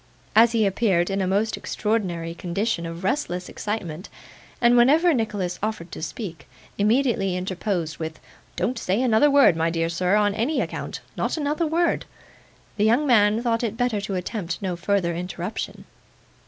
As he appeared in a most extraordinary condition of restless excitement, and whenever Nicholas offered to speak, immediately interposed with: 'Don't say another word, my dear sir, on any account not another word,' the young man thought it better to attempt no further interruption.